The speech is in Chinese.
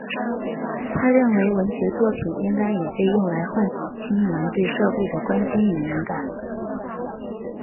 他认为文学作品应该也被用来唤醒青年对社会的关心与敏感。